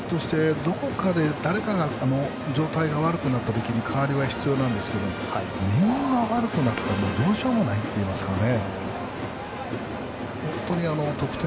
監督としてどこかで誰かが状態が悪くなったときに代わりは必要なんですけどみんな悪くなったりどうしようもないといいますかね